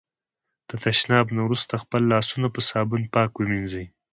د تشناب نه وروسته خپل لاسونه په صابون پاک ومېنځی.